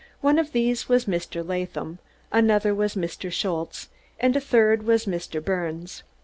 One of these was Mr. Latham, another was Mr. Schultze, and a third was Mr. Birnes.